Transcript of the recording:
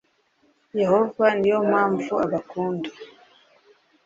Yehova Ni yo mpamvu abakunda